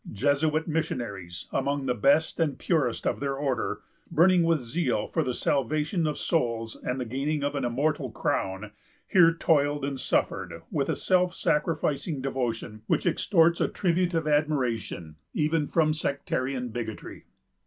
Jesuit missionaries, among the best and purest of their order, burning with zeal for the salvation of souls, and the gaining of an immortal crown, here toiled and suffered, with a self sacrificing devotion which extorts a tribute of admiration even from sectarian bigotry.